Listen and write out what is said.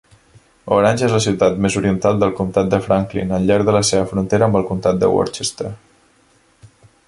Orange és la ciutat més oriental del comtat de Franklin al llarg de la seva frontera amb el comtat de Worcester.